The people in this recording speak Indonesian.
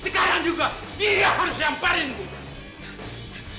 sekarang juga dia harus yang paling bunuh